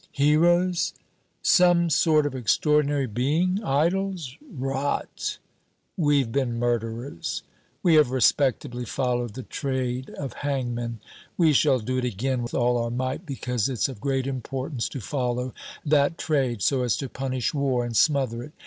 "Heroes? Some sort of extraordinary being? Idols? Rot! We've been murderers. We have respectably followed the trade of hangmen. We shall do it again with all our might, because it's of great importance to follow that trade, so as to punish war and smother it.